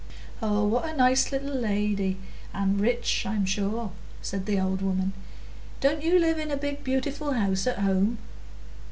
"Oh, what a nice little lady!—and rich, I'm sure," said the old woman. "Didn't you live in a beautiful house at home?"